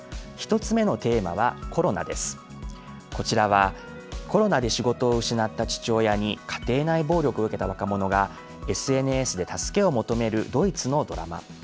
こちらはコロナで仕事を失った父親に家庭内暴力を受けた若者がＳＮＳで助けを求めるドイツのドラマ。